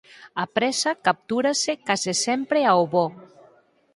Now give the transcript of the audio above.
A presa captúrase case sempre ao voo.